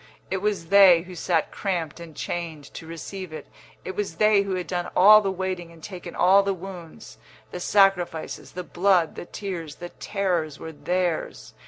It was they who sat cramped and chained to receive it; it was they who had done all the waiting and taken all the wounds. The sacrifices, the blood, the tears, the terrors were theirs.